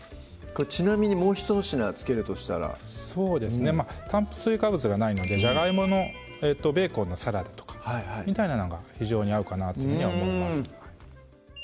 ちなみにもう１品付けるとしたらそうですね炭水化物がないのでじゃがいものベーコンのサラダとかみたいなのが非常に合うかなと思います